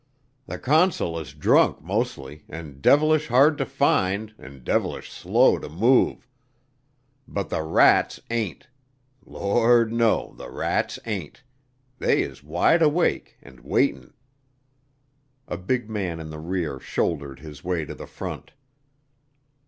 The consul is drunk mostly an' devilesh hard to find an' devilesh slow to move. But the rats ain't, Lord, no, the rats ain't. They is wide awake an' waitin'." A big man in the rear shouldered his way to the front.